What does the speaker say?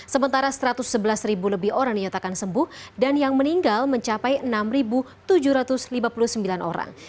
sementara satu ratus sebelas lebih orang dinyatakan sembuh dan yang meninggal mencapai enam tujuh ratus lima puluh sembilan orang